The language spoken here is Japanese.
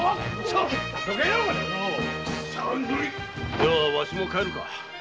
ではワシも帰るか。